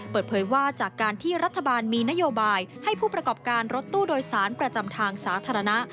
เปิดเผยว่าจากการที่รัฐบาลมีนโยบายให้ผู้ประกอบการรถตู้โดยสารประจำทางสาธารณะ